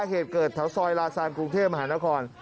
เหตุเกิดแถวซอยลาซานกรุงเทพมหานคร